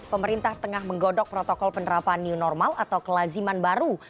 pemerintah tengah menggodok protokol penerapan new normal atau kelaziman baru